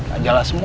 gak jelas semua